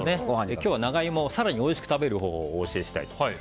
今日は長イモを更においしく食べる方法をお教えしたいと思います。